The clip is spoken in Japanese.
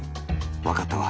わかったわ。